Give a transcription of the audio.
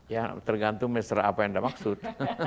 ya tergantung mesra apa yang dimaksud